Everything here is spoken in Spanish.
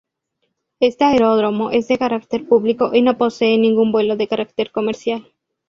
Este aeródromo es de carácter público y no posee ningún vuelo de carácter comercial.